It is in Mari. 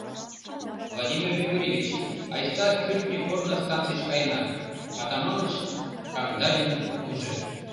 — Владимир Григорьевич, айста кӱртньӧ корно станцийыш каена, — Атаманыч Кандалиным ӱжӧ.